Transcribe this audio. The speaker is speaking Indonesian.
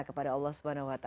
kepada allah swt